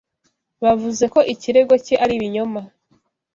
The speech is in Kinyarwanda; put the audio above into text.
Bavuze ko ikirego cye ari ibinyoma.